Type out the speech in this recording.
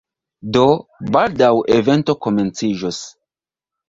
Do, baldaŭ evento komenciĝos